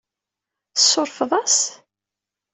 Tsurfeḍ-as?